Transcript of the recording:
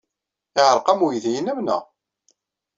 Yeɛreq-am weydi-nnem, naɣ?